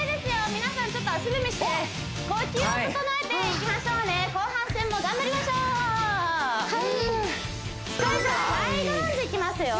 皆さんちょっと足踏みして呼吸を整えていきましょうね後半戦も頑張りましょうサイドランジいきますよ